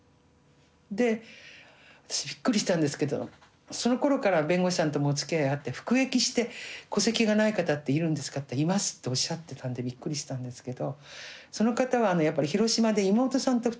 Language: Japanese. で私びっくりしたんですけどそのころから弁護士さんともおつきあいあって服役して戸籍がない方っているんですかっていったらいますっておっしゃってたんでびっくりしたんですけど。